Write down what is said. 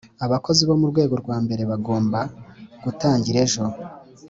abakozi mu rwego rwa mbere bagomba gutangira ejo